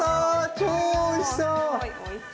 超おいしそ！